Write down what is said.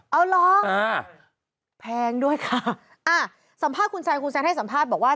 เอาเหรออ่าแพงด้วยค่ะอ่าสัมภาษณ์คุณแซนคุณแซนให้สัมภาษณ์บอกว่า